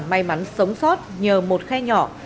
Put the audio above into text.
may mắn sống sót nhờ một khe nhỏ